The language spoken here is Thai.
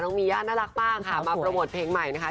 มีย่าน่ารักมากค่ะมาโปรโมทเพลงใหม่นะคะ